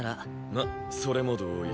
まっそれも同意。